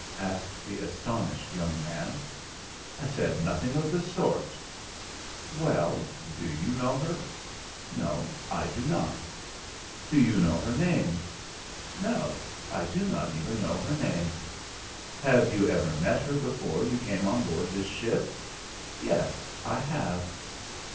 asked the astonished young man. "I said nothing of the sort." "Well, do you know her?" "No, I do not." "Do you know her name?" "No, I do not even know her name." "Have you ever met her before you came on board this ship?" "Yes, I have."